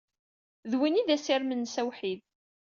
D win ay d assirem-nnes awḥid.